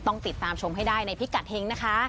ต้องติดตามชมให้ได้ในพิกัดเฮงนะคะ